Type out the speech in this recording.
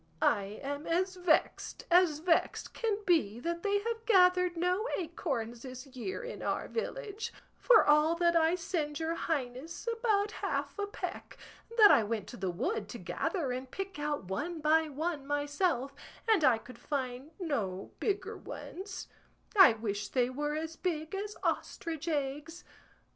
I am as vexed as vexed can be that they have gathered no acorns this year in our village; for all that I send your highness about half a peck that I went to the wood to gather and pick out one by one myself, and I could find no bigger ones; I wish they were as big as ostrich eggs.